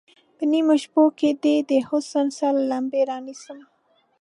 په نیمو شپو کې دې، د حسن سرې لمبې رانیسم